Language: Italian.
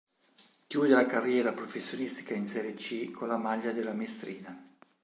Chiude la carriera professionistica in Serie C con la maglia della Mestrina.